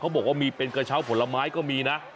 บอกว่ามีเป็นกระเช้าผลไม้ก็มีนะ